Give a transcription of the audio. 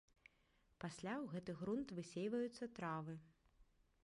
Пасля ў гэты грунт высейваюцца травы.